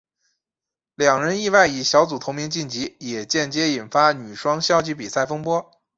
两人意外以小组头名晋级也间接引发女双消极比赛风波。